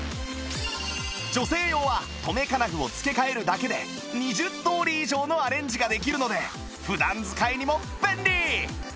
女性用は留め金具を付け替えるだけで２０通り以上のアレンジができるので普段使いにも便利！